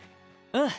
うん。